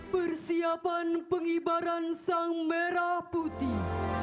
persiapan pengibaran sang merah putih